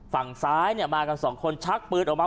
ฝั่งซ้ายมากัน๒คนชักปืนออกมา